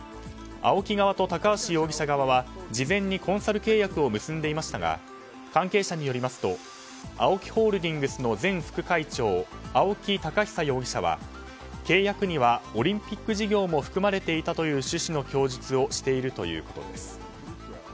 ＡＯＫＩ側と高橋容疑者側は事前にコンサル契約を結んでいましたが関係者によりますとＡＯＫＩホールディングスの前副会長、青木宝久容疑者は契約にはオリンピック事業も含まれていたとの趣旨の供述をしているということです。